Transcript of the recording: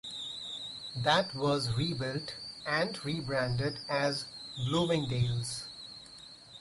That was rebuilt, and rebranded as Bloomingdale's.